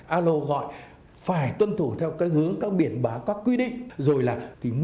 alo gọi phải tuân thủ theo cái hướng các biển bá các quy định